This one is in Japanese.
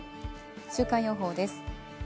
週間予報です。